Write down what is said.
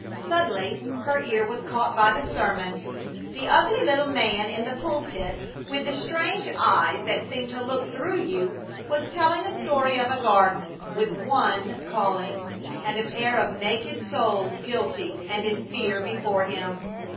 Suddenly her ear was caught by the sermon. The ugly little man in the pulpit, with the strange eyes that seemed to look through you, was telling a story of a garden, with One calling, and a pair of naked souls guilty and in fear before Him.